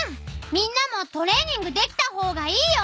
みんなもトレーニングできた方がいいよ。